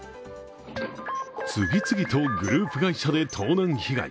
次々とグループ会社で盗難被害。